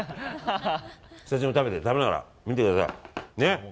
スタジオも食べながら見てください。